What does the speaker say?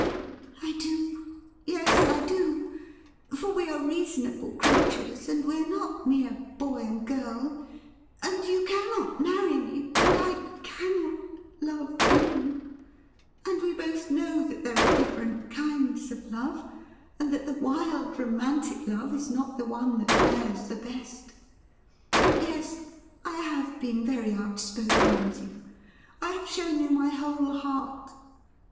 ' I do — ^yes, I do : for we are reasonable creatures, and we are not mere boy and girl — and you cannot marry me — and I cannot — love you — and we both know that there are different kinds of love — and that the wild romantic love is not the one that wears the best. Yes, I have been very outspoken with you; I have shown you ray whole heart.